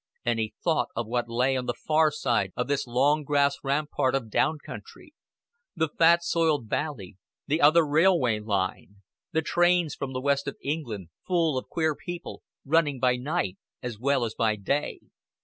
And he thought of what lay on the far side of this long grass rampart of down country the fat soiled valley, the other railway line, the trains from the West of England, full of queer people, running by night as well as by day.